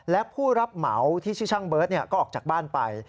และผู้รับเหมาที่ชื่อช่างเบิร์ตก็ออกจากบ้านไป